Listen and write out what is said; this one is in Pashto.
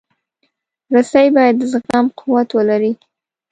رسۍ باید د زغم قوت ولري.